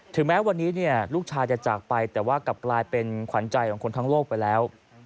แม้วันนี้ลูกชายจะจากไปแต่ว่ากลับกลายเป็นขวัญใจของคนทั้งโลกไปแล้ว